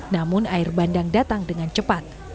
namun air bandang datang dengan cepat